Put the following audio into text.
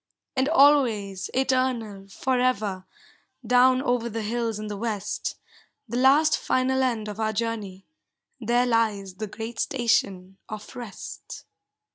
And always, eternal, forever, Down over the hills in the west, The last final end of our journey, There lies the Great Station of Rest.